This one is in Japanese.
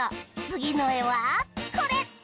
つぎのえはこれ！